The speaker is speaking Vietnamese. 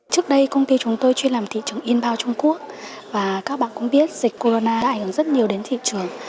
trước đây công ty chúng tôi chuyên làm thị trường inboud trung quốc và các bạn cũng biết dịch corona đã ảnh hưởng rất nhiều đến thị trường